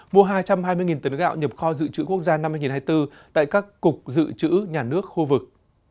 mua hai trăm hai mươi tấn gạo nhập kho dự trữ quốc gia năm hai nghìn hai mươi bốn tại các cục dự trữ nhà nước khu vực